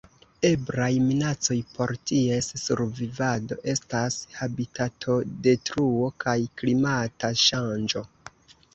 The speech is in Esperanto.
Eblaj minacoj por ties survivado estas habitatodetruo kaj klimata ŝanĝo.